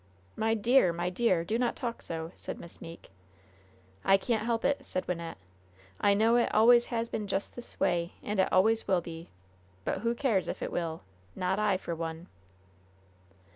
"My dear! my dear! do not talk so!" said Miss Meeke. "I can't help it," said Wynnette. "I know it always has been just this way, and it always will be. But who cares if it will? Not I, for one.